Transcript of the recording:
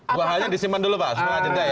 dua halnya disimpan dulu pak